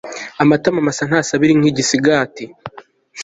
amatama masa ntasabira inka igisigati